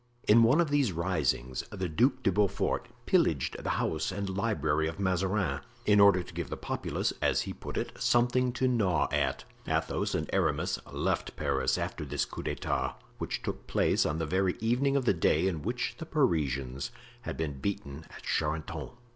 In one of these risings, the Duc de Beaufort pillaged the house and library of Mazarin, in order to give the populace, as he put it, something to gnaw at. Athos and Aramis left Paris after this coup d'etat, which took place on the very evening of the day in which the Parisians had been beaten at Charenton.